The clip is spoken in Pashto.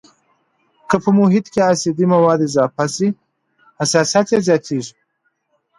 که په محیط کې اسیدي مواد اضافه شي حساسیت یې زیاتیږي.